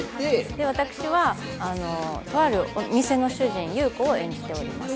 私はとあるミセの主人侑子を演じております。